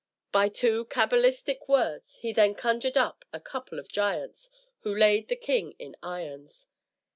By two cabalistical words he then conjured up a couple of giants, who laid the king in irons.